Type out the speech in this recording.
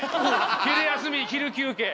昼休み昼休憩。